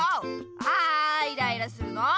あイライラするなあ。